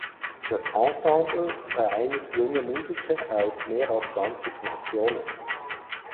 Das Ensemble vereinigt junge Musiker aus mehr als zwanzig Nationen.